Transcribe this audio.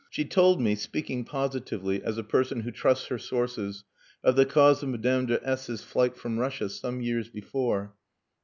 She told me, speaking positively, as a person who trusts her sources, of the cause of Madame de S 's flight from Russia, some years before.